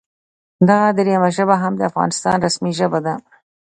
دغه دریمه ژبه هم د افغانستان رسمي ژبه ده